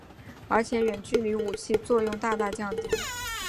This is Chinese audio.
而且远距离武器作用大大降低。